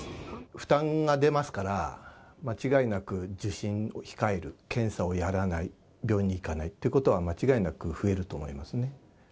負担が出ますから、間違いなく受診を控える、検査をやらない、病院に行かないっていうことは、間違いなく増えると思いますね。